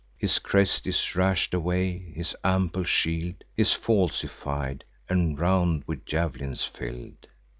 His crest is rash'd away; his ample shield Is falsified, and round with jav'lins fill'd.